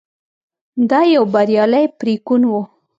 دا یو بریالی پرېکون و.